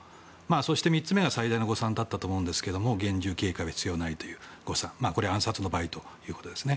そして、３つ目が最大の誤算だったと思いますが厳重警戒は必要ないという誤算暗殺の場合ですね。